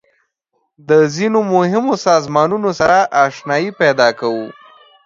د ځینو مهمو سازمانونو سره آشنایي پیدا کوو.